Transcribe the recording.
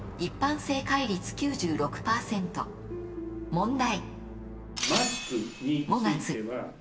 問題。